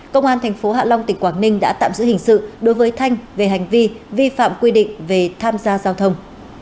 công an tp hạ long tỉnh quảng ninh đã tạm giữ hình sự đối với thanh về hành vi vi phạm quy định về tham gia giao thông